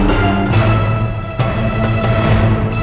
jangan lupa joko tingkir